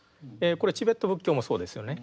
これチベット仏教もそうですよね。